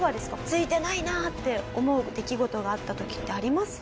ツイてないなって思う出来事があった時ってあります？